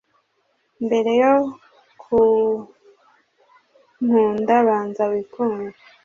Mbere yo kunkunda banza wikunde